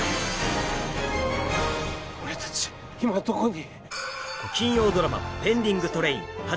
俺たち今どこに？